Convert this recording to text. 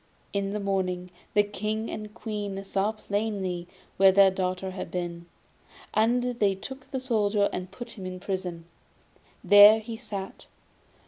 In the morning the King and the Queen saw plainly where their daughter had been, and they took the Soldier and put him into prison. There he sat.